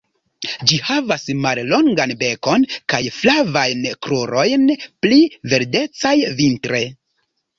Ĝi havas mallongan bekon kaj flavajn krurojn -pli verdecaj vintre-.